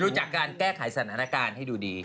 จากการแก้ไขสถานการณ์ให้ดูดี